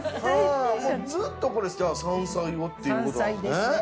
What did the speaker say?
もうずっとこれじゃあ山菜をっていうことなんですね。